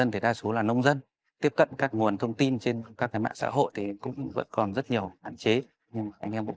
anh em đã truyền tải các thông tin triển khai đến các hộp gia đình trên địa bàn